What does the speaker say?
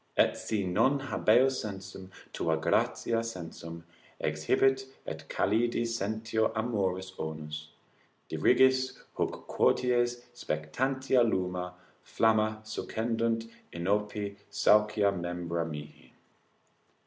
Et si non habeo sensum, tua gratia sensum Exhibet, et calidi sentio amoris onus. Dirigis huc quoties spectantia lumina, flamma Succendunt inopi saucia membra mihi.